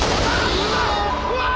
うわ！